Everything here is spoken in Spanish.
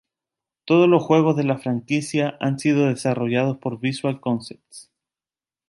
Todos los juegos de la franquicia han sido desarrollados por Visual Concepts.